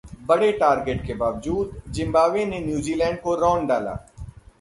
बड़े टारगेट के बावजूद जिम्बाब्वे ने न्यूजीलैंड को रौंद डाला